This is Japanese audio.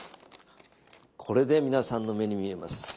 これで皆さんの目に見えます。